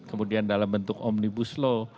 kemudian dalam bentuk omnibus law